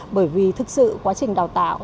bởi vì thực sự quá trình đào tạo